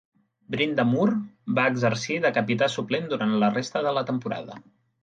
Brind'Amour va exercir de capità suplent durant la resta de la temporada.